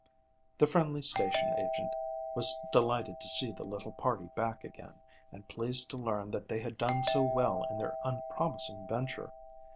The friendly station agent was delighted to see the little party back again, and pleased to learn that they had done so well in their unpromising venture.